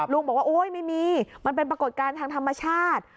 ลุงบอกว่าโอ๊ยไม่มีมันเป็นปรากฏการณ์ทางธรรมชาติ